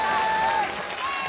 イエーイ